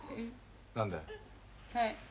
はい。